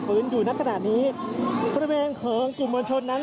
คุณภูริพัฒน์ครับ